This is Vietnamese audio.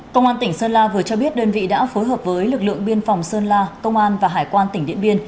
công an tỉnh sơn la vừa cho biết đơn vị đã phối hợp với lực lượng biên phòng sơn la công an và hải quan tỉnh điện biên